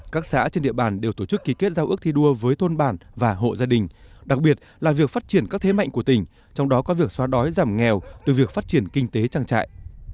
các xã trên địa bàn đều tổ chức ký kết giao ước thi đua với thôn bản và hộ gia đình đặc biệt là việc phát triển các thế mạnh của tỉnh trong đó có việc xóa đói giảm nghèo từ việc phát triển kinh tế trang trại